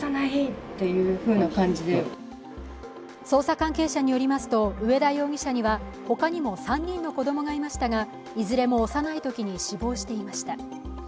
捜査関係者によりますと上田容疑者には他にも３人の子供がいましたが、いずれも幼いときに死亡していました。